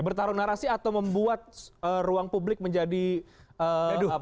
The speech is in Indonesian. bertaruh narasi atau membuat ruang publik menjadi gaduh